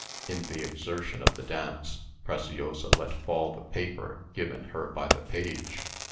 In the exertion of the dance, Preciosa let fall the paper given her by the page.